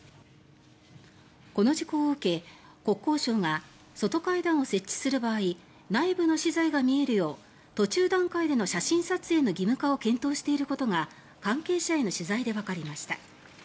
この事故を受け、国交省が外階段を設置する場合内部の資材が見えるよう途中段階での写真撮影の義務化を検討していることが関係者への取材でわかりました。